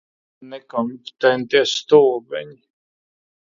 Nekompetentie stulbeņi.